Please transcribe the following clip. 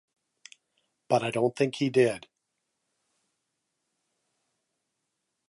But I don't think he did.